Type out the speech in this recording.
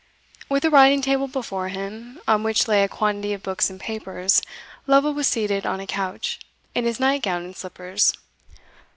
With a writing table before him, on which lay a quantity of books and papers, Lovel was seated on a couch, in his night gown and slippers.